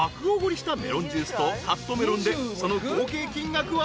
したメロンジュースとカットメロンでその合計金額は］